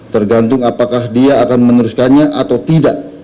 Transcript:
tergantung apakah dia akan meneruskannya atau tidak